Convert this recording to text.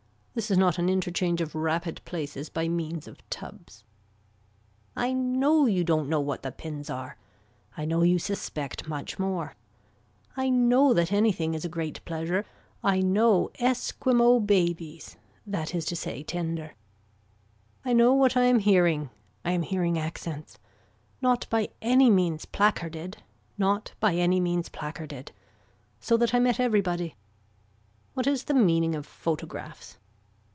This is not an interchange of rapid places by means of tubs. I know you don't know what the pins are. I know you suspect much more. I know that anything is a great pleasure. I know esquimaux babies, that is to say tender. I know what I am hearing. I am hearing accents. Not by any means placarded. Not by any means placarded. So that I met everybody. What is the meaning of photographs.